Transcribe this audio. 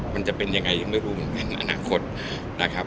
มันจะเป็นยังไงยังไม่รู้ในอนาคตนะครับ